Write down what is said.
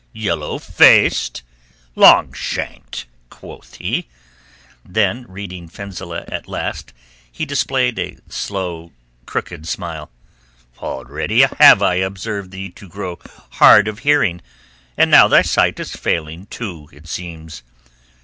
"Yellow faced? Long shanked?" quoth he. Then reading Fenzileh at last, he displayed a slow, crooked smile. "Already have I observed thee to grow hard of hearing, and now thy sight is failing too, it seems.